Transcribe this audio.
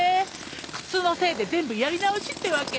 靴のせいで全部やり直しってわけ？